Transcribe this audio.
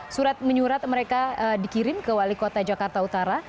surat menyurat mereka dikirim ke wali kota jakarta utara